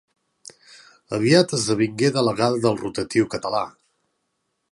Aviat esdevingué delegada del rotatiu català.